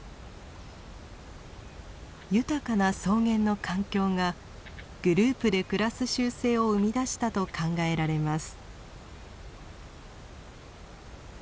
豊かな草原の環境がグループで暮らす習性を生み出したと考えられます。